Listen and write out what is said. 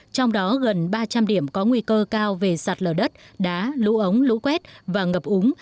trong đó gần ba trăm linh điểm có nguy cơ cao về sạt lở đất đá lũ ống lũ quét và ngập úng